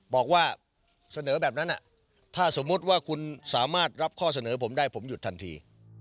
บอกว่าเสนอแบบนั้นถ้าสมมุติว่าคุณสามารถรับข้อเสนอผมได้ผมหยุดทันที